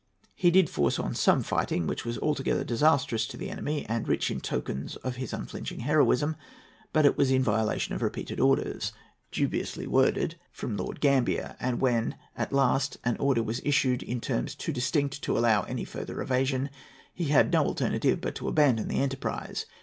He did force on some fighting, which was altogether disastrous to the enemy, and rich in tokens of his unflinching heroism; but it was in violation of repeated orders, dubiously worded, from Lord Grambier, and, when at last an order was issued in terms too distinct to allow of any further evasion, he had no alternative but to abandon the enterprise.